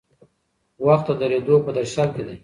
وخت د درېدو په درشل کې دی.